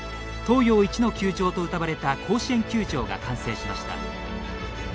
東洋一の球場と、うたわれた甲子園球場が完成しました。